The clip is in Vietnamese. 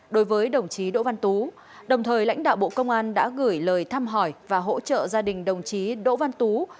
đối với đồng chí đỗ văn tú đồng thời lãnh đạo bộ công an đã gửi lời thăm hỏi và hỗ trợ gia đình đồng chí đỗ văn tú